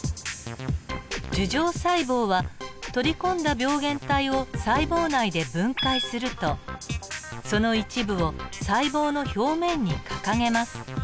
樹状細胞は取り込んだ病原体を細胞内で分解するとその一部を細胞の表面に掲げます。